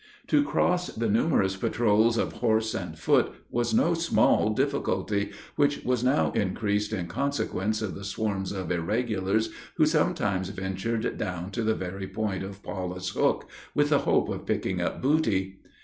To cross the numerous patrols of horse and foot, was no small difficulty, which was now increased in consequence of the swarms of irregulars, who sometimes ventured down to the very point of Paulus Hook, with the hope of picking up booty.